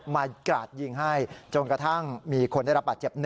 กราดยิงให้จนกระทั่งมีคนได้รับบาดเจ็บ๑